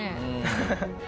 ハハハハッ。